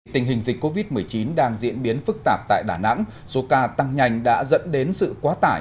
tình hình dịch covid một mươi chín đang diễn biến phức tạp tại đà nẵng số ca tăng nhanh đã dẫn đến sự quá tải